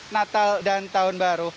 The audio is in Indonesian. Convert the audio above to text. natal dan tahun baru